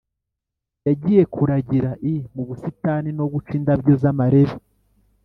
Yagiye kuragira l mu busitani no guca indabyo z amarebe